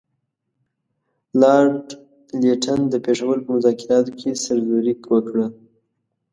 لارډ لیټن د پېښور په مذاکراتو کې سرزوري وکړه.